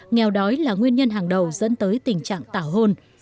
nghèo đói là nguyên nhân hàng đầu dẫn tới tình trạng tảo hôn